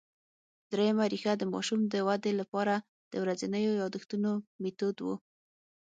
درېیمه ریښه د ماشوم د ودې له پاره د ورځينو یادښتونو مېتود وو